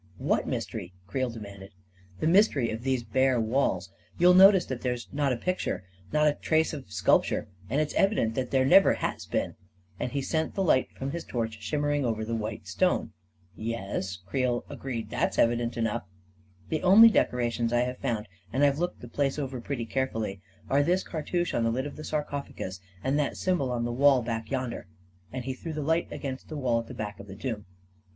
" What mystery? " Creel demanded. " The mystery of these bare walls. You'll notice that there's not a picture — not a trace of sculpture *— and it's evident that there never has been," and he sent the light from his torch shimmering over the white stone. 212 A KING IN BABYLON " Yes," Creel agreed, " that's evident enough/ 9 " The only decorations I have found — and Fve looked the place over pretty carefully — are this car touche on the lid of the sarcophagus, and that sym bol on the wall bade yonder," and he threw the light against the wall at the back of the tomb.